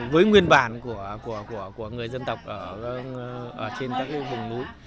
với nguyên bản của người dân tộc ở trên các vùng núi